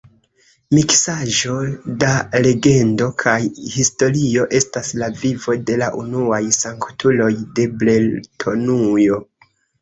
Miksaĵo da legendo kaj historio estas la vivo de la unuaj sanktuloj de Bretonujo.